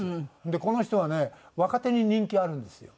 でこの人はね若手に人気あるんですよ。